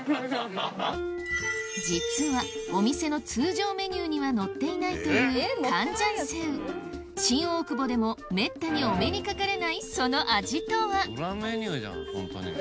実はお店の通常メニューには載っていないというカンジャンセウ新大久保でもめったにお目にかかれないその味とは？